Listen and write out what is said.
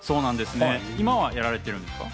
今はやられてるんですか？